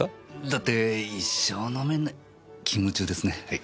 だって一生飲めない勤務中ですねはい。